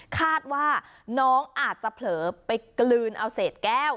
คาดว่าน้องอาจจะเผลอไปกลืนเอาเศษแก้ว